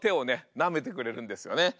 なめてくれるんですよね。